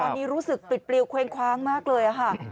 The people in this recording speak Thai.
ตอนนี้รู้สึกปลิดปลิวเคว้งคว้างมากเลยค่ะ